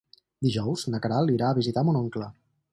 Dijous na Queralt irà a visitar mon oncle.